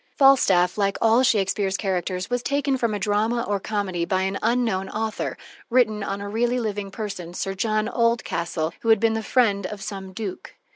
Falstaff, like all Shakespeare's characters, was taken from a drama or comedy by an unknown author, written on a really living person, Sir John Oldcastle, who had been the friend of some duke.